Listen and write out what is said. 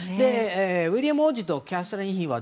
ウィリアム王子とキャサリン妃は